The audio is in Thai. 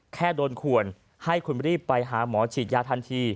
แค่โดนขวนให้คุณรีบไปหาหมอฉีดยาทันที